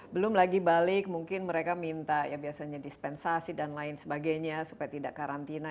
belum lagi balik mungkin mereka minta ya biasanya dispensasi dan lain sebagainya supaya tidak karantina